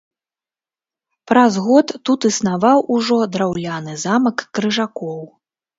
Праз год тут існаваў ужо драўляны замак крыжакоў.